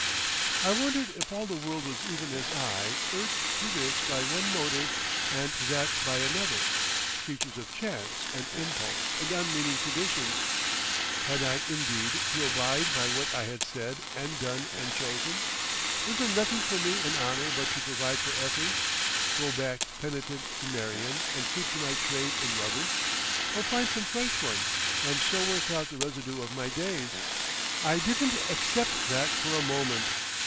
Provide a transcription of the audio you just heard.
I wondered if all the world was even as I, urged to this by one motive and to that by another, creatures of chance and impulse and unmeaning traditions. Had I indeed to abide by what I had said and done and chosen? Was there nothing for me in honour but to provide for Effie, go back penitent to Marion and keep to my trade in rubbish—or find some fresh one—and so work out the residue of my days? I didn't accept that for a moment.